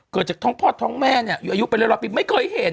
เกิดจากท้องพ่อท้องแม่เนี่ยอยู่อายุเป็นร้อยปีไม่เคยเห็น